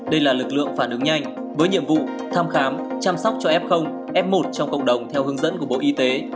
đây là lực lượng phản ứng nhanh với nhiệm vụ thăm khám chăm sóc cho f f một trong cộng đồng theo hướng dẫn của bộ y tế